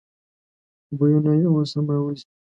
بویونه یې اوس هم راوزي.